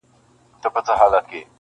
هر نظر دي زما لپاره د فتنو دی,